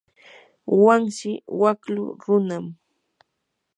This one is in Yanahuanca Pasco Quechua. wanshi waklu runam.